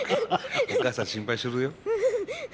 お母さん心配するよ。